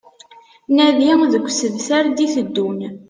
Nadi deg usebter d-iteddun